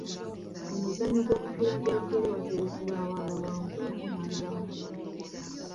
Mu muzannyo gw'omupiira gw'ebigere watera okubaawo abawangula n'abawangulwa.